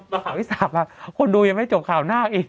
แล้วข่าวที่สามคนดูยังไม่จบข่าวนาคอีก